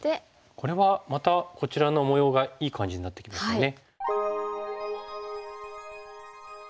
これはまたこちらの模様がいい感じになってきましたね。